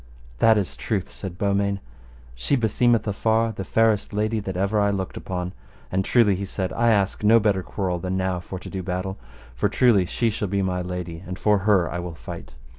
That is truth, said Beaumains. She beseemeth afar the fairest lady that ever I looked upon; and truly, he said, I ask no better quarrel than now for to do battle, for truly she shall be my lady, and for her I will fight.